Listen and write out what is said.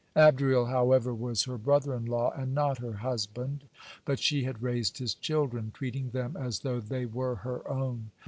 Adriel, however, was her brother in law and not her husband, but she had raised his children, treating them as though they were her own.